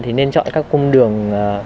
thì nên chọn các cung đường